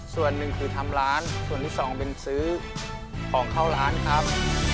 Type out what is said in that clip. ส่วนหนึ่งคือทำร้านส่วนที่สองเป็นซื้อของเข้าร้านครับ